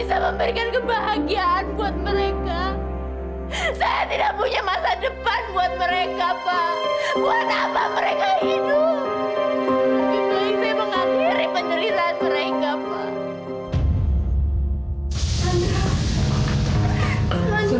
apa yang aku lakukan nak